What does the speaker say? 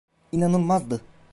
İnanılmazdı.